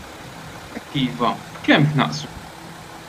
Jekk iva, b'kemm tnaqqsu?